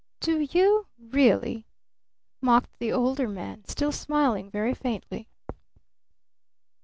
"Do you really?" mocked the Older Man, still smiling very faintly.